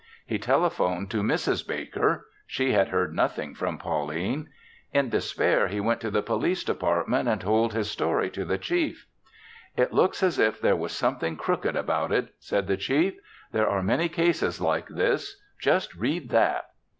He telephoned to Mrs. Baker. She had heard nothing from Pauline. In despair, he went to the Police Department and told his story to the Chief. "It looks as if there was something crooked about it," said the Chief. "There are many cases like this. Just read that."